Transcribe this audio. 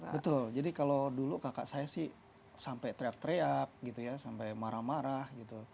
betul jadi kalau dulu kakak saya sih sampai teriak teriak sampai marah marah